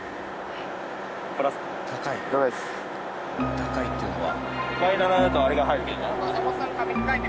「高い」っていうのは？